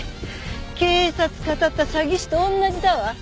警察かたった詐欺師と同じだわ！